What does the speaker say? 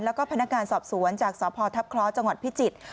แล้วก็พนักงานสอบสวนจากสพทัพคล้อจังหวัดพิจิตร